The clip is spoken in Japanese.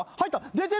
出てる？